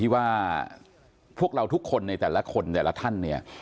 ว่าพวกเราทุกคนในแต่ละคนแต่ละท่านเนี่ย